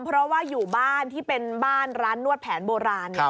เพราะว่าอยู่บ้านที่เป็นบ้านร้านนวดแผนโบราณ